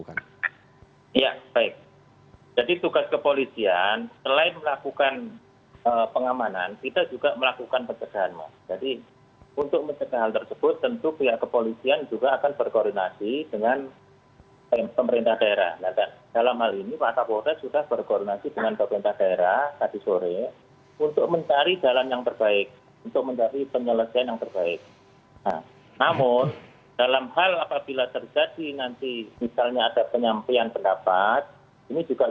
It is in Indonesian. ketika warga menentang